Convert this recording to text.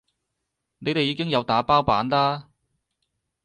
你哋已經有打包版啦